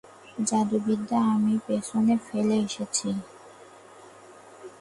জাদুবিদ্যা আমি পেছনে ফেলে এসেছি।